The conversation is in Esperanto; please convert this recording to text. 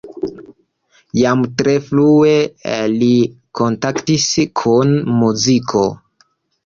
Jam tre frue li kontaktis kun muziko.